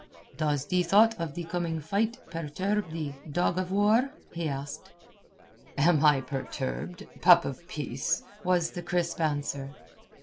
"Does the thought of the coming fight perturb thee, dog of war?" he asked. "Am I perturbed, pup of peace?" was the crisp answer.